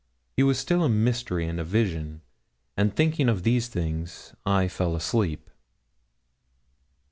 He was still a mystery and a vision; and thinking of these things I fell asleep.